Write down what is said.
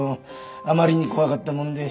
あまりに怖かったもんで。